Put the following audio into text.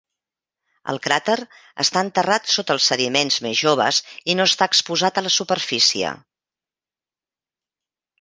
El cràter està enterrat sota els sediments més joves i no està exposat a la superfície.